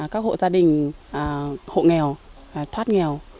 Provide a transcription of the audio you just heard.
các hộ gia đình hộ nghèo thoát nghèo